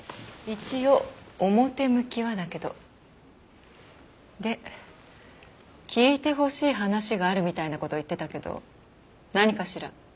一応表向きはだけど。で聞いてほしい話があるみたいな事言ってたけど何かしら？